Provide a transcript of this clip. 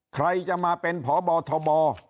ใครจะมาเป็นพบทบ